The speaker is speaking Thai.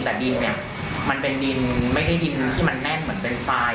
แต่ดินเนี่ยมันเป็นดินไม่ได้ดินที่มันแน่นเหมือนเป็นทราย